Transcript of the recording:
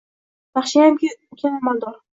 Yaxshiyamki, ukam amaldor